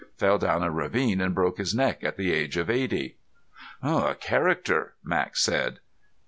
Fell down a ravine and broke his neck at the age of eighty." "A character," Max said.